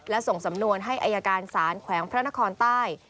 และส่งสำนวนให้อายการศาลแขวงพระนครใต้